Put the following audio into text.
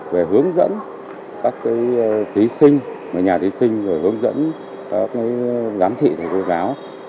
về hướng dẫn các thí sinh nhà thí sinh hướng dẫn giám thị thầy cô giáo